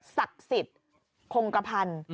ศักดิ์สิทธิ์คงกระพันธ์